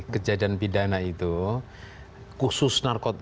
kejadian pidana itu khusus narkotika